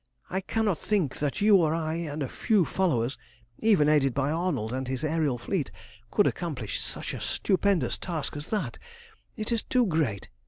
I cannot think that you or I and a few followers, even aided by Arnold and his aërial fleet, could accomplish such a stupendous task as that. It is too great.